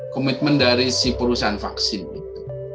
komitmen dari si perusahaan vaksin itu